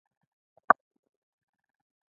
آیا په تورنټو کې هر کال غونډه نه کیږي؟